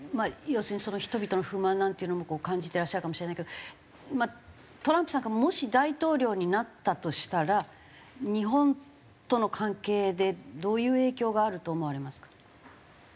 要するに人々の不満なんていうのも感じてらっしゃるかもしれないけどトランプさんがもし大統領になったとしたら日本との関係でどういう影響があると思われますか？